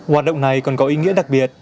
hoạt động này còn có ý nghĩa đặc biệt